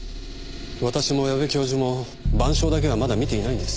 私も矢部教授も『晩鐘』だけはまだ見ていないんです。